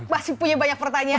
masih punya banyak pertanyaan